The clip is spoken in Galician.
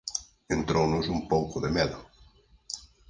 Entrounos un pouco de medo.